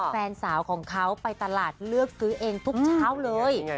แฟนสาวของเขาไปตลาดเลือกซื้อเองทุกเช้าเลย